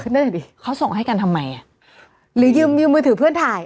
นั่นแหละดิเขาส่งให้กันทำไมอ่ะหรือยืมยืมมือถือเพื่อนถ่าย